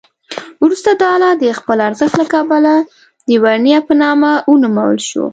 وروسته دا آله د خپل ارزښت له کبله د ورنیه په نامه ونومول شوه.